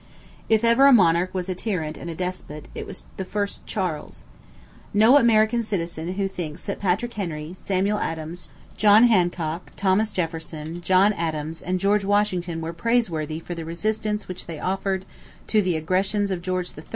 If ever a monarch was a tyrant and despot, it was the first Charles. No American citizen who thinks that Patrick Henry, Samuel Adams, John Hancock, Thomas Jefferson, John Adams, and George Washington were praiseworthy for the resistance which they offered to the aggressions of George III.